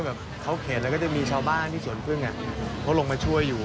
แบบเขาเข็นแล้วก็จะมีชาวบ้านที่สวนพึ่งเขาลงมาช่วยอยู่